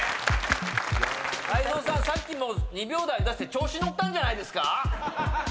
泰造さんさっき２秒台出して調子乗ったんじゃないですか